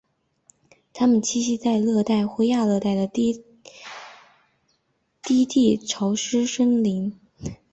它们栖息在热带或亚热带的低地潮湿森林。